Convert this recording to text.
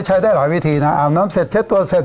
ใช้ได้หลายวิธีนะอาบน้ำเสร็จเช็ดตัวเสร็จ